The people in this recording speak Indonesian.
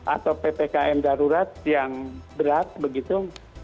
atau ppkm darurat yang berat begitu